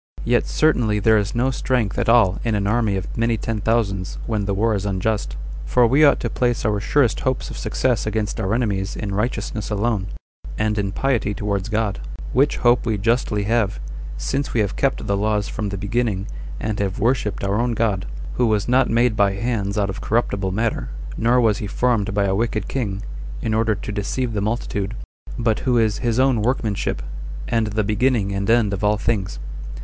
Yet certainly there is no strength at all in an army of many ten thousands, when the war is unjust; for we ought to place our surest hopes of success against our enemies in righteousness alone, and in piety towards God; which hope we justly have, since we have kept the laws from the beginning, and have worshipped our own God, who was not made by hands out of corruptible matter; nor was he formed by a wicked king, in order to deceive the multitude; but who is his own workmanship, 28 and the beginning and end of all things.